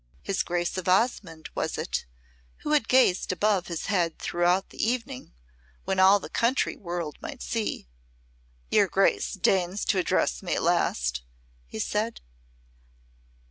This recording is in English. His Grace of Osmonde was it who had gazed above his head throughout the evening, when all the country world might see! "Your Grace deigns to address me at last," he said.